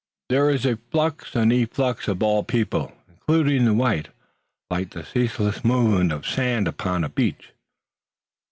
There is a flux and efflux of all people, including the white, like the ceaseless movement of sand upon a beach."